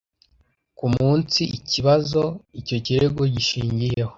ku munsi ikibazo icyo kirego gishingiyeho